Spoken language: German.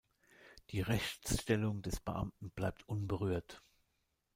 Die Rechtsstellung des Beamten bleibt unberührt.